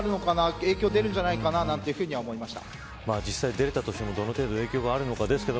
影響出るんじゃないかなと思いました。